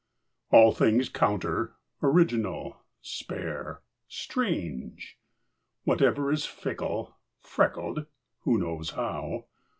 All things counter, original, spare, strange; Whatever is fickle, freckled (who knows how?)